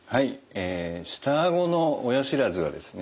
え下あごの親知らずはですね